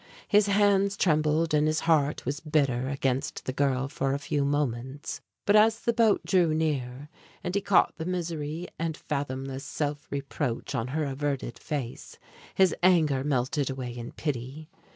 His hands trembled and his heart was bitter against the girl for a few moments; but as the boat drew near, and he caught the misery and fathomless self reproach on her averted face, his anger melted away in pity.